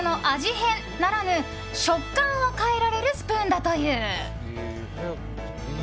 変ならぬ食感を変えられるスプーンだという。